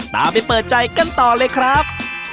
ไปเปิดใจกันต่อเลยครับ